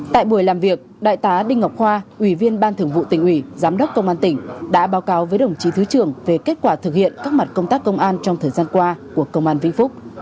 tại buổi làm việc đại tá đinh ngọc khoa ủy viên ban thưởng vụ tỉnh ủy giám đốc công an tỉnh đã báo cáo với đồng chí thứ trưởng về kết quả thực hiện các mặt công tác công an trong thời gian qua của công an vĩnh phúc